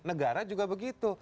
negara juga begitu